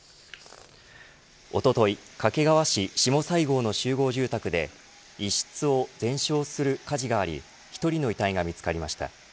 おととい掛川市下西郷の集合住宅で１室を全焼する火事があり１人の遺体が見つかりました。